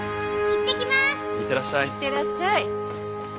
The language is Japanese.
行ってらっしゃい。